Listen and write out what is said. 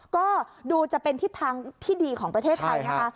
ก็ดูจะเป็นทิศทางที่ดีของประเทศไทยนะคะ